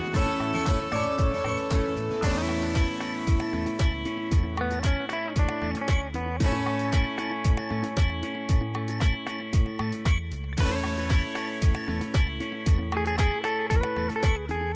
โปรดติดตามตอนต่อไป